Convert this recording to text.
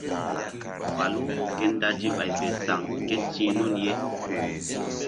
Falu ke dazi bay fe saŋ kéti̧h nun ye.